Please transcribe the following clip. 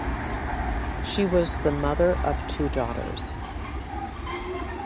She was the mother of two daughters.